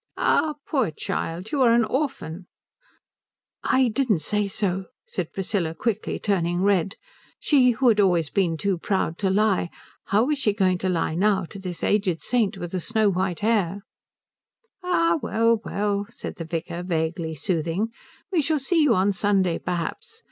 "Ah, poor child you are an orphan." "I didn't say so," said Priscilla quickly, turning red; she who had always been too proud to lie, how was she going to lie now to this aged saint with the snow white hair? "Ah well, well," said the vicar, vaguely soothing. "We shall see you on Sunday perhaps.